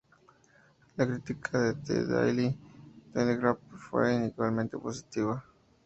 La crítica de The Daily Telegraph fue igualmente positiva.